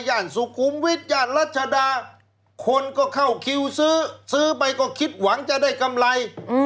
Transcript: สุขุมวิทย่านรัชดาคนก็เข้าคิวซื้อซื้อไปก็คิดหวังจะได้กำไร